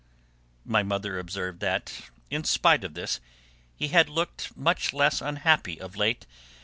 My mother observed that, in spite of this, he had looked much less unhappy of late.